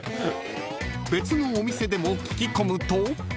［別のお店でも聞き込むと］